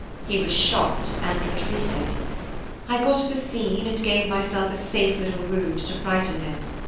He was shocked, and retreated. I got up a scene, and gave myself a safe little wound, to frighten him.